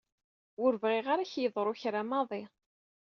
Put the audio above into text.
Ur bɣiɣ ara k-yeḍru kra maḍi.